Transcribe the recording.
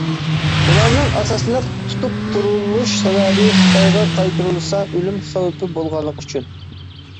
بۇلارنىڭ ئاساسلىق تۇتۇپ تۇرۇلۇش سەۋەبى خىتايغا قايتۇرۇلسا ئۆلۈم خەۋپى بولغانلىقى ئۈچۈن.